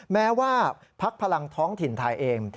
แม้ว่าพักพลังท้องถิ่นไทยเอง